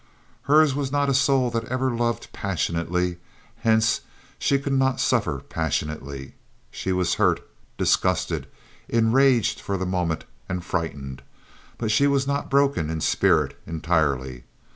Hers was not a soul that ever loved passionately, hence she could not suffer passionately. She was hurt, disgusted, enraged for the moment, and frightened; but she was not broken in spirit entirely.